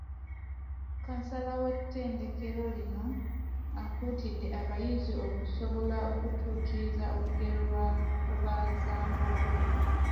Kansala w’ettendekero lino, akuutidde abayizi okusobola okutuukiriza olugero lwa Nkobazambogo.